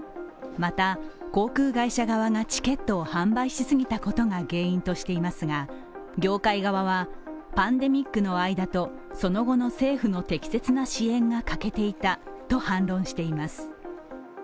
また航空会社側がチケットを販売しすぎたことが原因としていますが業界側は、パンデミックの間とその後の政府の適切な支援が欠けていたと反論しています。